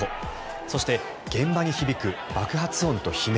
そして現場に響く爆発音と悲鳴。